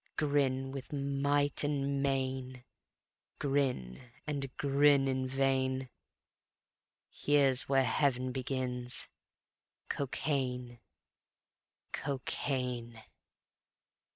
Grin with might and main; Grin and grin in vain; Here's where Heav'n begins: Cocaine! Cocaine!